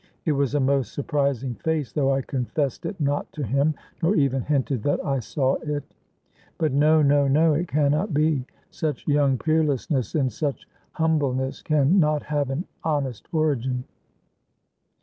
It was a most surprising face, though I confessed it not to him, nor even hinted that I saw it. But no, no, no, it can not be. Such young peerlessness in such humbleness, can not have an honest origin.